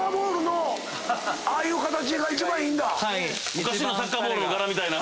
昔のサッカーボールの柄みたいな。